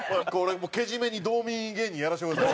けじめにドーミーイン芸人やらせてください。